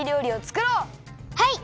はい！